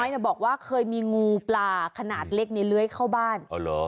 ยาน้อยบอกเคยมีโงวปลาขนาดเล็กในเล้ยเข้าบ้าน